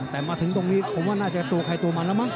แต่มาถึงตรงนี้ผมว่าน่าจะตัวใครตัวมันแล้วมั้